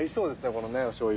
このおしょうゆ。